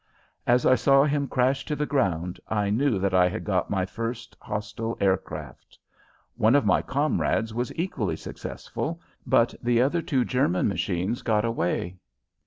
As I saw him crash to the ground I knew that I had got my first hostile aircraft. One of my comrades was equally successful, but the other two German machines got away.